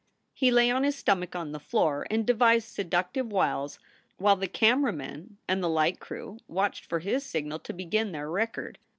He lay on his stomach on the floor and devised seductive wiles while the camera men and the light crew watched for his signal to begin their record.